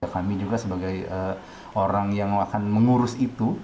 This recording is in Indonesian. kami juga sebagai orang yang akan mengurus itu